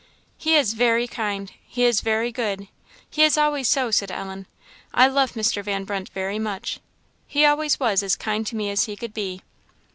"He is very kind he is very good he is always so," said Ellen. "I love Mr. Van Brunt very much. He always was as kind to me as he could be."